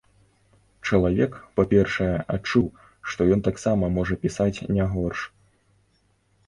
Чалавек, па-першае, адчуў, што ён таксама можа пісаць не горш.